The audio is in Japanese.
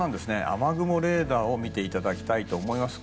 雨雲レーダーを見ていただきたいと思います。